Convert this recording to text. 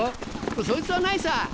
そいつはないさ！